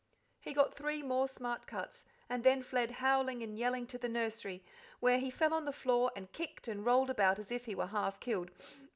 He got three more smart cuts, and then fled howling and yelling to the nursery, where he fell on the floor and kicked and rolled about as if he were half killed.